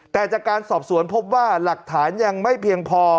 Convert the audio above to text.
แต่จากการสอบสวนพบว่าหลักฐานยังไม่เพียงพอ